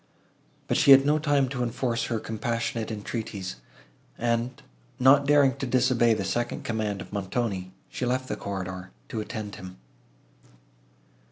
But she had no time to enforce her compassionate entreaties, and, not daring to disobey the second command of Montoni, she left the corridor, to attend him.